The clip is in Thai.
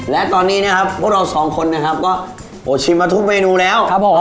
และตอนนี้นะครับพวกเราสองคนนะครับก็โอ้ชิมมาทุกเมนูแล้วครับผม